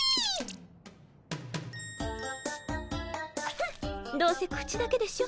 フンどうせ口だけでしょ。